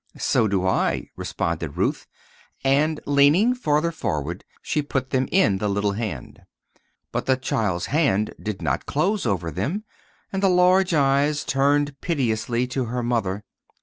"So do I," responded Ruth; and leaning farther forward, she put them in the little hand. But the child's hand did not close over them, and the large eyes turned piteously to her mother.